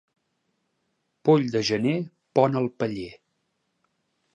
Poll de gener pon al paller.